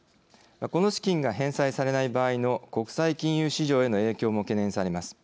この資金が返済されない場合の国際金融市場への影響も懸念されます。